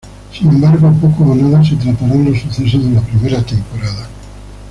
Sin embargo, poco o nada se trataran los sucesos de la primera temporada.